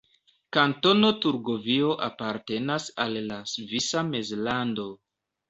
Kantono Turgovio apartenas al la Svisa Mezlando.